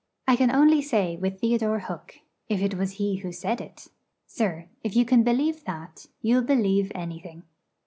I can only say with Theodore Hook, if it was he who said it 'Sir, if you can believe that, you'll believe anything.'